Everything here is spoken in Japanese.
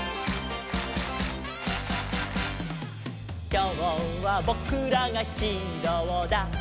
「きょうはぼくらがヒーローだ！」